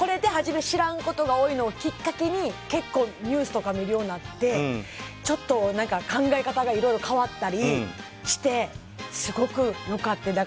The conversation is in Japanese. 知らんことが多いことをきっかけに結構ニュースを見るようになってちょっと考え方がいろいろ変わったりしてすごく良かった。